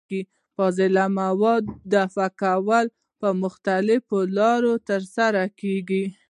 د فاضله موادو دفع کول په مختلفو لارو ترسره کېږي.